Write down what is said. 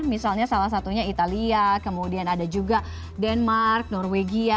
misalnya salah satunya italia kemudian ada juga denmark norwegia